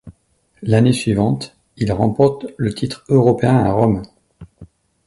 L'année suivante, il remporte le titre européen à Rome.